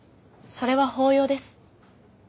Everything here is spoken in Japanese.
それは法要です。